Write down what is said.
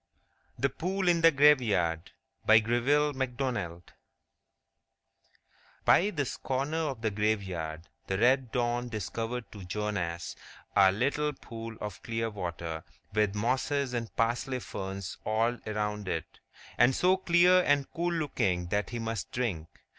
The Pool in the Graveyard By GREVILLE MACDONALD BY this corner of the graveyard the red dawn discovered to Jonas a little pool of clear water, with mosses and parsley ferns all around it, and so clear and cool looking that he must drink.